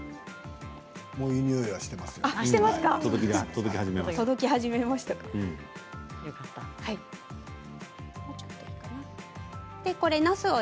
もういいにおいはしていますよ。